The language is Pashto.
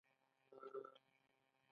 د کاناډا ګوز جاکټونه مشهور دي.